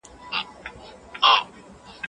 موږ باید د ستونزو د حل لپاره نوې لارې وپلټو.